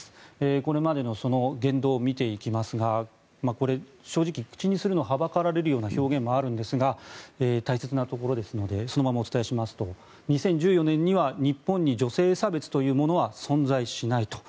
これまでの言動を見ていきますが正直、口にするのがはばかられるような表現もあるんですが大切なところですのでそのままお伝えしますと２０１４年には日本に女性差別というものは存在しないと。